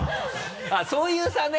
そういう差ね？